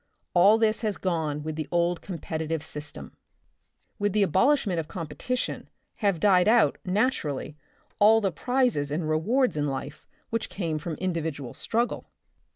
All this has gone with the old competitive system. With the abolishment of competition have died out, naturally, all the prizes and rewards in life which came from individual struggle.